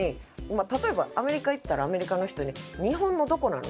例えばアメリカ行ったらアメリカの人に「日本のどこなの？」